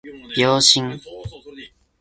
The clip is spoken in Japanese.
秒針